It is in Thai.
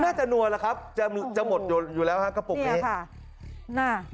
น่าจะนัวแล้วครับจะหมดอยู่แล้วครับกระปุกนี้